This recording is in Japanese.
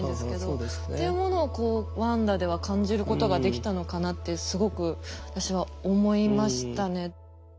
そうですね。っていうものをこう「ワンダ」では感じることができたのかなってすごく私は思いましたね。